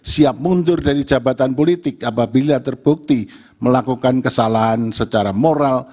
siap mundur dari jabatan politik apabila terbukti melakukan kesalahan secara moral